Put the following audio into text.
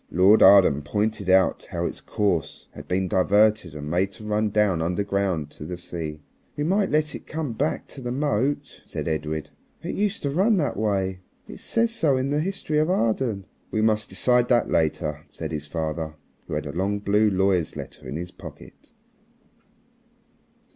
Lord Arden pointed out how its course had been diverted and made to run down underground to the sea. "We might let it come back to the moat," said Edred. "It used to run that way. It says so in the 'History of Arden.'" "We must decide that later," said his father, who had a long blue lawyer's letter in his pocket.